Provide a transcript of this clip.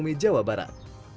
kepada jawa barat